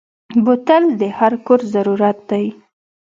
بوتل د هر کور ضرورت دی.